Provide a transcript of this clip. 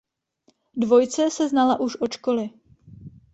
Dvojice se znala už od školy.